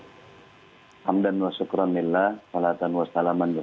alhamdulillah syukur allah salatan wassalamu'alaikum